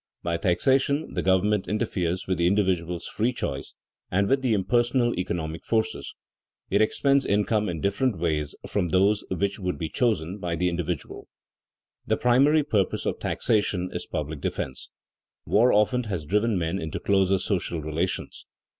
By taxation the government interferes with the individual's free choice and with the impersonal economic forces. It expends income in different ways from those which would be chosen by the individual. [Sidenote: Taxation for public defense] The primary purpose of taxation is public defense. War often has driven men into closer social relations.